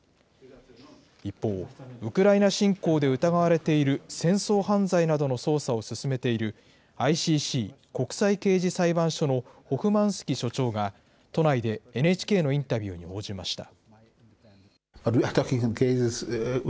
一方、ウクライナ侵攻で疑われている、戦争犯罪などの捜査を進めている、ＩＣＣ・国際刑事裁判所のホフマンスキ所長が都内でＮＨＫのインタビューに応じました。